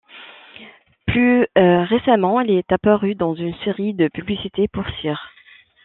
Plus récemment, elle est apparue dans une série de publicités pour Sears.